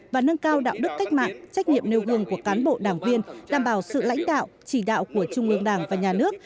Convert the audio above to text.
và nâng cao đạo đức cách mạng trách nhiệm nêu gương của cán bộ đảng viên đảm bảo sự lãnh đạo chỉ đạo của trung ương đảng và nhà nước